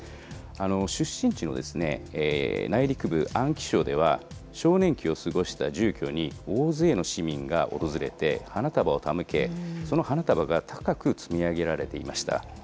出身地の内陸部、安徽省では、少年期を過ごした住居に大勢の市民が訪れて、花束を手向け、その花束が高く積み上げられていました。